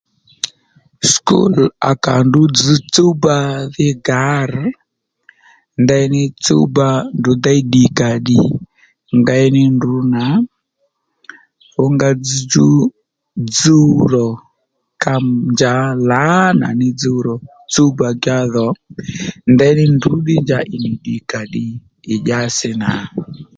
Sùkúl à kà ndrǔ dzž tsúwba dhí gǎr ndeyní tsúwba ndrǔ déy ddìkàddì ngéy ní ndrǔ nà fú nga dzzdjú dzuw rò ka njǎ lǎnà ní nì dzuw rò tsúwba-djá dhò ndeyní ndrǔ ddí njǎ ì ddìkàddì ì dyási nà